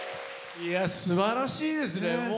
すばらしいですね。